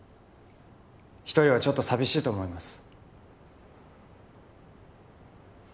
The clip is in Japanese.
一人はちょっと寂しいと思います